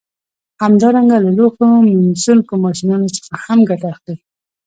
همدارنګه له لوښو مینځونکو ماشینونو څخه هم ګټه اخلي